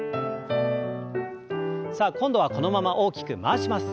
さあ今度はこのまま大きく回します。